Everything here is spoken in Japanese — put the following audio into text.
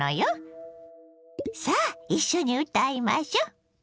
さあ一緒に歌いましょ。